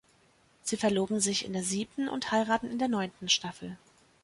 Sie verloben sich in der siebten und heiraten in der neunten Staffel.